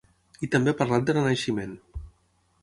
I també ha parlat de renaixement.